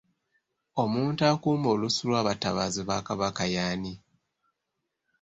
Omuntu akuuma olusu lw'abatabaazi ba Kabaka y'ani?